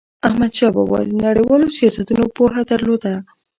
احمدشاه بابا د نړیوالو سیاستونو پوهه درلوده.